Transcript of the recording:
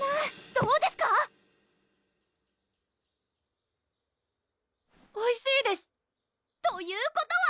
どうですか⁉おいしいです！ということは！